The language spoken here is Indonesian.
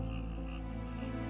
apa bener ini